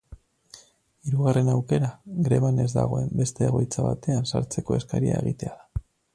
Hirugarren aukera, greban ez dagoen beste egoitza batean sartzeko eskaria egitea da.